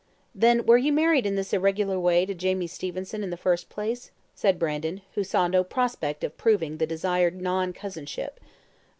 "Then, were you married in this irregular way to Jamie Stevenson in the first place?" said Brandon, who saw no prospect of proving the desired non cousinship.